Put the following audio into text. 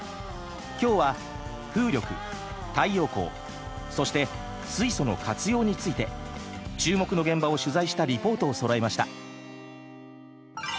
今日は風力太陽光そして水素の活用について注目の現場を取材したリポートをそろえました。